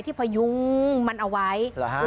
พยุงมันเอาไว้